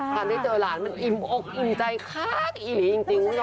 พันที่เจอหลานมันอิ่มออกอิ่มใจคลากอีหรี่จริง